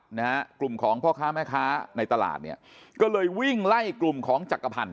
หรือกลุ่มของพ่อข้าแม่คะในตลาดเนี่ยก็เลยวิ่งไล่กลุ่มของ